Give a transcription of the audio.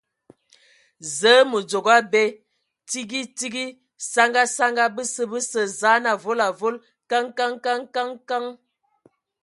Zǝə, mǝ dzogo abe, tsigi tsigi, saŋa saŋa ! Bəsə, bəsə, zaan avol avol !... Kǝŋ Kǝŋ Kǝŋ Kǝŋ!